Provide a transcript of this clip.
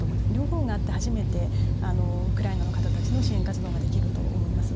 両方があって、初めてウクライナの方たちの支援活動ができると思います。